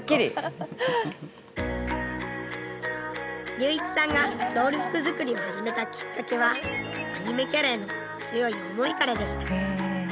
隆一さんがドール服作りを始めたきっかけはアニメキャラへの強い思いからでした。